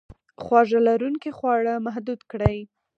خواږه لرونکي خواړه محدود کړئ.